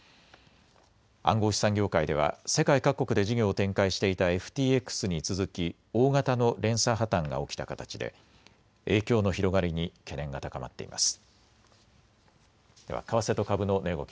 暗号資産業界では世界各国で事業を展開していたＦＴＸに続き大型の連鎖破綻が起きた形で影響の広がりに懸念が高まっています。